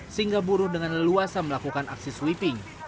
sehingga buruh dengan leluasa melakukan aksi sweeping